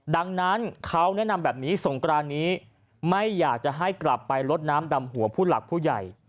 ดังนั้นเขาแนะนำแบบนี้สงกรานนี้ไม่อยากจะให้กลับไปลดน้ำดำหัวผู้หลักผู้ใหญ่